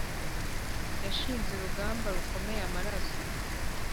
yanshinze urugamba rukora amaraso